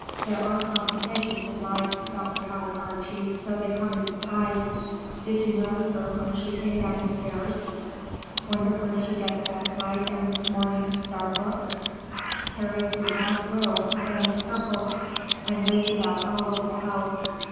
There are compensations in life, Dr. Howard Archie, though they come in disguise. Did you notice her when she came down the stairs? Wonder where she gets that bright and morning star look? Carries to the last row of the family circle. I moved about all over the house.